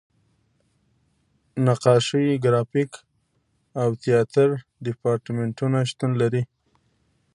نقاشۍ، ګرافیک او تیاتر دیپارتمنټونه شتون لري.